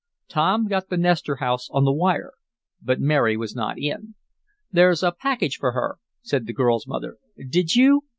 Tom got the Nestor house on the wire. But Mary was not in. "There's a package here for her," said the girl's mother. "Did you